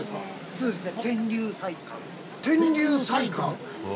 そうですね。